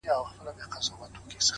د ژوندون ساه د ژوند وږمه ماته كړه،